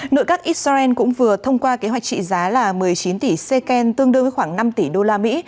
nội các israel cũng vừa thông qua kế hoạch trị giá là một mươi chín tỷ seken tương đương với khoảng năm tỷ usd